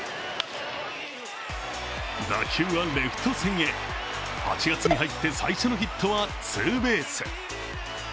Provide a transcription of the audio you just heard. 打球はレフト線へ、８月に入って最初のヒットはツーベース。